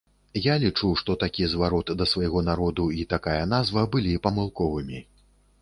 Я лічу, што такі зварот да свайго народу і такая назва былі памылковымі.